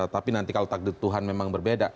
tapi nanti kalau takdir tuhan memang berbeda